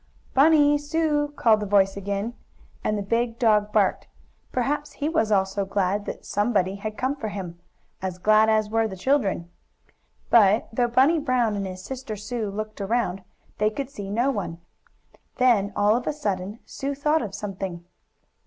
"Bunny! Sue!" called the voice again, and the big dog barked. Perhaps he was also glad that "somebody" had come for him, as glad as were the children. But, though Bunny Brown and his sister Sue looked all about, they could see no one. Then, all of a sudden, Sue thought of something.